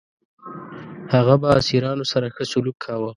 هغه به اسیرانو سره ښه سلوک کاوه.